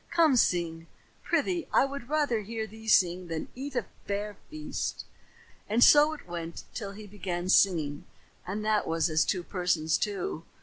Come sing, prythee. I would rather hear thee sing than eat a fair feast." And so it went on till he began singing and that was as two persons, too.